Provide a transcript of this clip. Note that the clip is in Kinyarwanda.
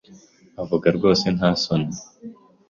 Avuga rwose nta soni